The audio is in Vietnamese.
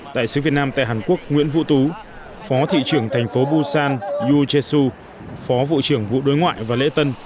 đại sứ việt nam tại hàn quốc nguyễn vũ tú phó thị trưởng thành phố busan yoo jae soo phó vụ trưởng vụ đối ngoại và lễ tân